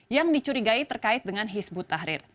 yang dicurigai terkait dengan hizbut tahrir